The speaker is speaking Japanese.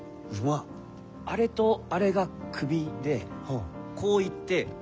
あれとあれが首でこういってあそこに尻尾。